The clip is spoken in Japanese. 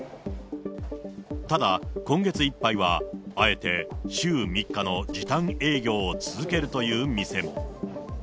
ただ、今月いっぱいはあえて週３日の時短営業を続けるという店も。